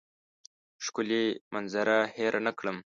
ښکلې منظره هېره نه کړم.